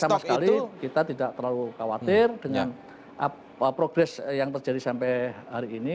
jadi sama sekali kita tidak terlalu khawatir dengan progress yang terjadi sampai hari ini